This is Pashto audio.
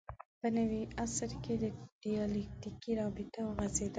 په نوي عصر کې دیالکتیکي رابطه وغځېده